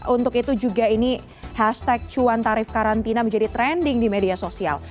untuk itu juga ini hashtag cuan tarif karantina menjadi trending di media sosial